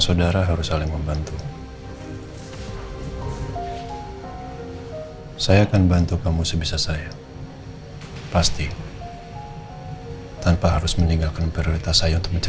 saya tahu proses suami saya itu seperti apa